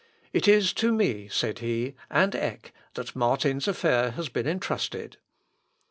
"It is to me," said he, "and Eck, that Martin's affair has been entrusted.